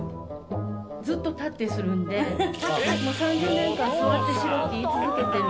ずっと立ってするんで３０年間座ってしろって言い続けてるんですけど。